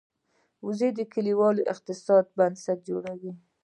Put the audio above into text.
وزې د کلیوالو اقتصاد بنسټ جوړوي